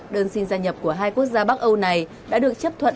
đơn xin gia nhập của hai quốc gia bắc âu này đã được chấp thuận